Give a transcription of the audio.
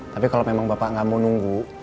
tapi kalau memang bapak nggak mau nunggu